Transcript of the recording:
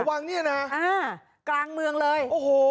วังเนี่ยนะกลางเมืองเลยโอ้โห